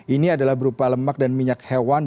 ini adalah berupa lemak dan minyak hewan